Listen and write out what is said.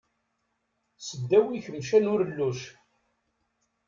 Seddaw ikemcan urelluc.